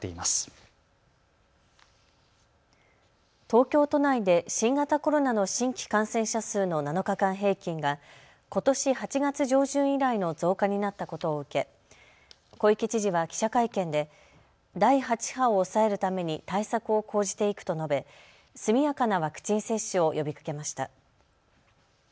東京都内で新型コロナの新規感染者数の７日間平均がことし８月上旬以来の増加になったことを受け小池知事は記者会見で第８波を抑えるために対策を講じていくと述べ速やかなワクチン接種を呼びかけました。